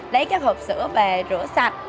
lấy các hộp sữa về rửa sạch